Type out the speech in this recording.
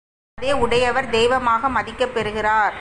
அதை உடையவர் தெய்வமாக மதிக்கப் பெறுகிறார்.